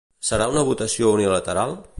Serà una votació unilateral?